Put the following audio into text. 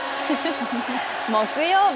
木曜日。